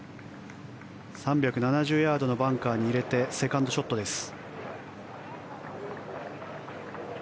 ３７０ヤードのバンカーに入れてセカンドショットです。